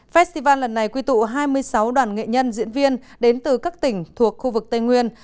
festival lần này quy tụ hai mươi sáu đoàn nghệ nhân diễn viên đến từ các tỉnh thuộc khu vực tây nguyên